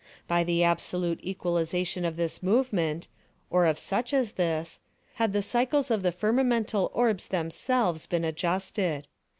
By the absolute equalization of this movement—or of such as this—had the cycles of the firmamental orbs themselves, been adjusted.